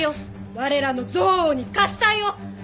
我らの憎悪に喝采を！」